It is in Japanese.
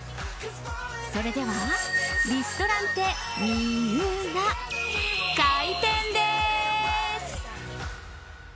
それではリストランテＭＩＵＲＡ開店です。